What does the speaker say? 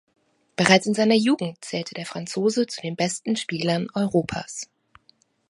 Bereits in seiner Jugend zählte der Franzose zu den besten Spielern Europas.